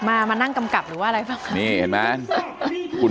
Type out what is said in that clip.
มามานั่งกำกับหรือว่าอะไรปะนี่เห็นมั้ย